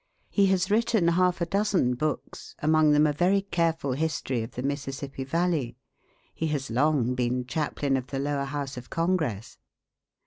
He has written half a dozen books, among them a very careful history of the Mississippi Valley. He has long been chaplain of the lower house of Congress.